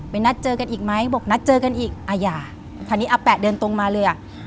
นัดเจอกันอีกไหมบอกนัดเจอกันอีกอาญาคราวนี้อาแปะเดินตรงมาเลยอ่ะ